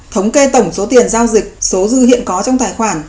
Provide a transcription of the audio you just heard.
thống kê tổng số tiền giao dịch số dư hiện có trong tài khoản